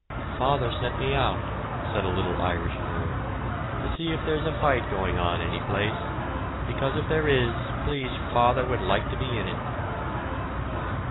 "Father sent me out," said a little Irish girl, "to see if there's a fight going on any place, because if there is, please, father would like to be in it!"